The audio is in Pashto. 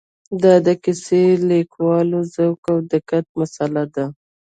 دا د کیسه لیکوالو ذوق او دقت مساله ده.